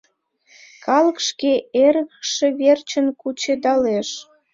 Калык шке эрыкше верчын кучедалеш.